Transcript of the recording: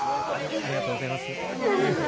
ありがとうございます。